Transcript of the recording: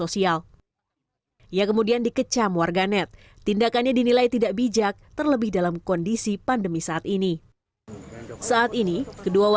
saya menulis pernyataan tentang lgbt dan saya di deportasi karena lgbt